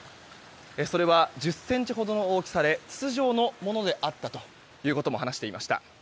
それは、１０ｃｍほどの大きさで筒状のものであったということも話していました。